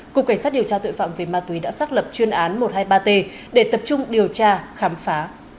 cục cảnh sát điều tra tội phạm về ma túy đã xác lập chuyên án một trăm hai mươi ba t để tập trung điều tra khám phá